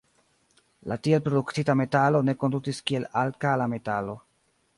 La tiel produktita metalo ne kondutis kiel alkala metalo.